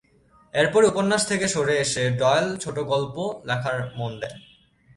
এরপরই উপন্যাস থেকে সরে এসে ডয়েল ছোটোগল্প লেখায় মন দেন।